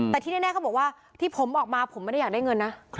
แต่ที่แน่เขาบอกว่าที่ผมออกมาผมไม่ได้อยากได้เงินนะ